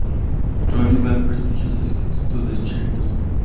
Rory va al prestigioso instituto de Chilton.